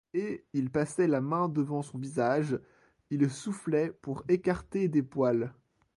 Et il passait la main devant son visage, il soufflait pour écarter des poils.